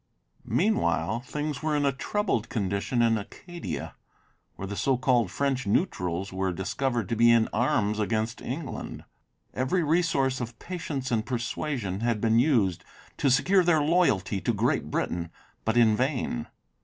Meanwhile things were in a troubled condition in Acadia, where the so called "French neutrals" were discovered to be in arms against England. "Every resource of patience and persuasion" had been used to secure their loyalty to Great Britain, but in vain.